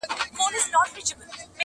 لکه باغوان چي پر باغ ټک وهي لاسونه،